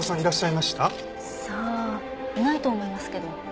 いないと思いますけど。